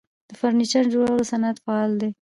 د فرنیچر جوړولو صنعت فعال دی